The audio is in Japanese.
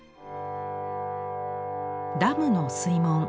ダムの水門。